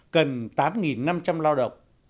cần tám năm trăm linh lao động